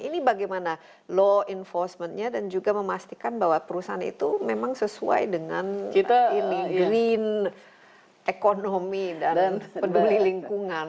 ini bagaimana law enforcementnya dan juga memastikan bahwa perusahaan itu memang sesuai dengan ini green ekonomi dan peduli lingkungan